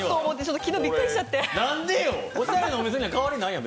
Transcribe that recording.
おしゃれなお店には変わりないやん。